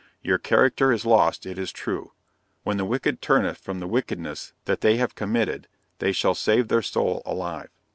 Your character is lost, it is true. When the wicked turneth from the wickedness that they have committed, they shall save their soul alive.